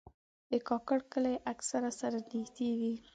د کاکړ کلي اکثره سره نږدې وي.